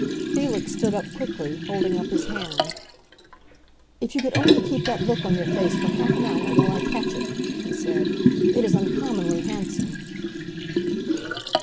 Felix stood up quickly, holding up his hand. "If you could only keep that look on your face for half an hour—while I catch it!" he said. "It is uncommonly handsome."